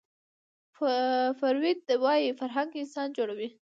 فروید وايي فرهنګ انسان جوړوي